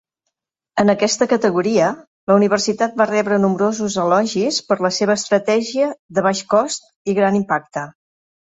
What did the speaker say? En aquesta categoria, la universitat va rebre nombrosos elogis per la seva estratègia de "baix cost i gran impacte".